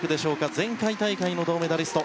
前回大会の銅メダリスト